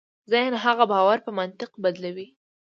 ذهن هغه باور په منطق بدلوي.